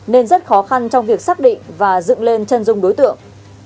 nên rất khó khăn trong việc xác định và dựng lên chân dung đối tượng